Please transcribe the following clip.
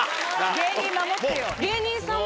芸人守ってよ。